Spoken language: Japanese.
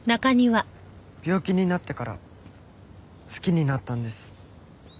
病気になってから好きになったんです。